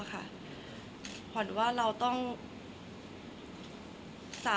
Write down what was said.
คนเราถ้าจะใช้ชีวิตมาจนถึงอายุขนาดนี้แล้วค่ะ